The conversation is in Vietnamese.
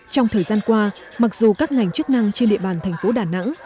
trong thời gian qua mặc dù các ngành chức năng trên địa bàn thành phố đà nẵng